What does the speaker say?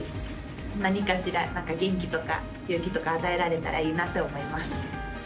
何かしら元気とか勇気とか与えられたらいいなと思います。